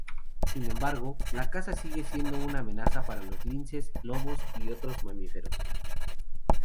Sin embargo la caza sigue siendo una amenaza para linces, lobos y otros mamíferos.